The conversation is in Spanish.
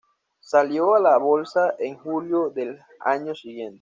Salió a la bolsa en julio del año siguiente.